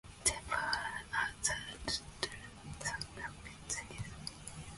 They performed a The Turtles song, "Happy Together".